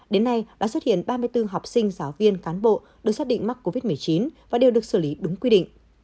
đến nay đã xuất hiện ba mươi bốn học sinh giáo viên cán bộ được xác định mắc covid một mươi chín và đều được xử lý đúng quy định